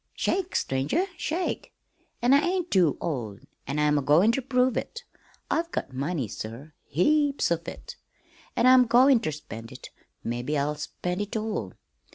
"Shake, stranger, shake! An' I ain't too old, an' I'm agoin' ter prove it. I've got money, sir, heaps of it, an' I'm goin' ter spend it mebbe I'll spend it all.